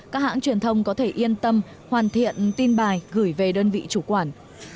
các hãng truyền thông có thể yên tâm hoàn thiện tin bài gửi về đơn vị chủ quản